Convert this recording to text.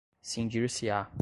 cindir-se-á